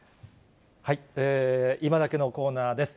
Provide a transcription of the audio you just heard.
いまダケッのコーナーです。